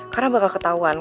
karena bakal ketahuan